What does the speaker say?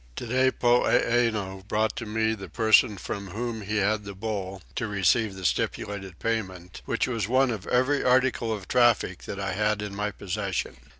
Today Poeeno brought to me the person from whom he had the bull to receive the stipulated payment, which was one of every article of traffic that I had in my possession.